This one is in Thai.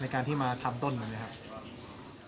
การที่มาทำต้นมันไหมครับ